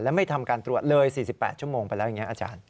และไม่ทำการตรวจเลย๔๘ชั่วโมงไปแล้วอย่างนี้อาจารย์